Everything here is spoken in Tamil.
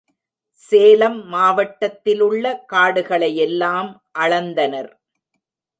சேலம் மாவட்டத்திலுள்ள காடுகளையெல்லாம் அளந்தனர்.